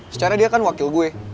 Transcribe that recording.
secara dia kan wakil gue